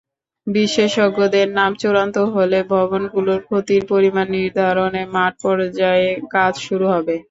বিশেষজ্ঞদের নাম চূড়ান্ত হলে ভবনগুলোর ক্ষতির পরিমাণ নির্ধারণে মাঠপর্যায়ে কাজ শুরু হবে।